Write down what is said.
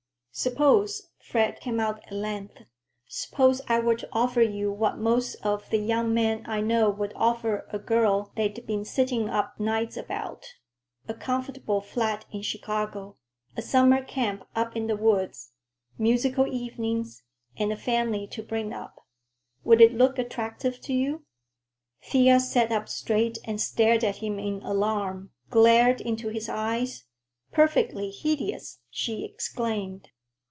"Suppose," Fred came out at length,—"suppose I were to offer you what most of the young men I know would offer a girl they'd been sitting up nights about: a comfortable flat in Chicago, a summer camp up in the woods, musical evenings, and a family to bring up. Would it look attractive to you?" Thea sat up straight and stared at him in alarm, glared into his eyes. "Perfectly hideous!" she exclaimed.